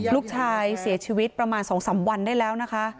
ลูกชายเสียชีวิตประมาณ๒๓วันได้แล้วนะคะ